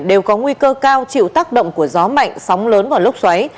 đều có nguy cơ cao chịu tác động của gió mạnh sóng lớn và lốc xoáy